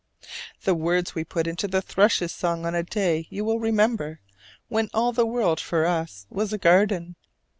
the words we put into the thrush's song on a day you will remember, when all the world for us was a garden.